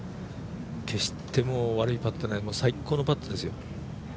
決して悪いパットじゃない、最高のパットですよ。